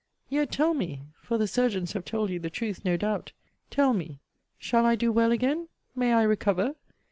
Yet tell me, (for the surgeons have told you the truth, no doubt,) tell me, shall I do well again? May I recover?